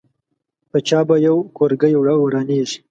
په چا به یو کورګۍ ورانېږي.